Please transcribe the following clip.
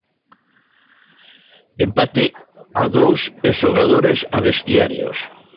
Empate a dous e xogadores a vestiarios.